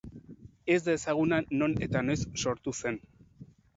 Ez da ezaguna non eta noiz sortu zen.